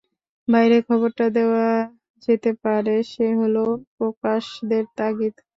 বাইরের খবরটা দেওয়া যেতে পারে, সে হল প্রকাশকের তাগিদ।